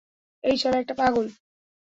এই শালায় একটা পাগল।